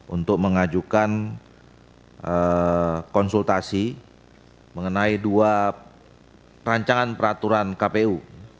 untuk mengajukan konsultasi mengenai dua rancangan peraturan kpu